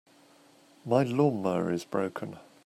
My lawn-mower is broken.